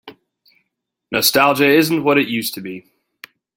Nostalgia isn't what it used to be.